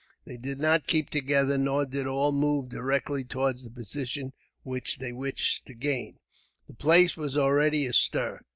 They did not keep together, nor did all move directly towards the position which they wished to gain. The place was already astir.